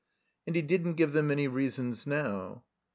And he didn't give them any reasons now.